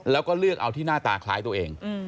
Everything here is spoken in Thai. แล้วก็เลือกเอาที่หน้าตาคล้ายตัวเอง